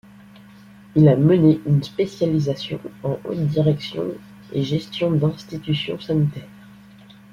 Il a mené une spécialisation en haute direction et gestions d'institutions sanitaires.